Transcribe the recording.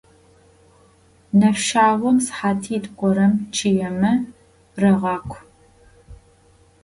Нэфшъагъом сыхьатитӏу горэм чъыемэ регъэкъу.